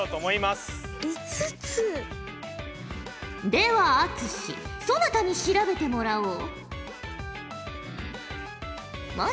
では篤志そなたに調べてもらおう。